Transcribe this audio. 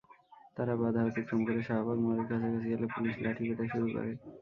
তাঁরা বাধা অতিক্রম করে শাহবাগ মোড়ের কাছাকাছি এলে পুলিশ লাঠিপেটা শুরু করে।